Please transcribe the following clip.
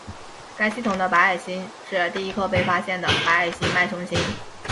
该系统的白矮星是第一颗被发现的白矮星脉冲星。